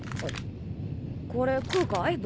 これ食うかい？